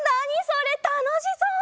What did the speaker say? それたのしそう！